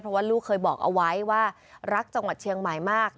เพราะว่าลูกเคยบอกเอาไว้ว่ารักจังหวัดเชียงใหม่มาก